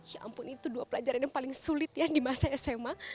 ya ampun itu dua pelajaran yang paling sulit ya di masa sma